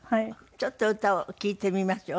ちょっと歌を聴いてみましょう。